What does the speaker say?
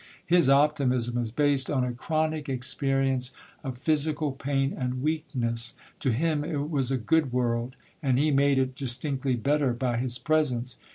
His optimism was based on a chronic experience of physical pain and weakness; to him it was a good world, and he made it distinctly better by his presence.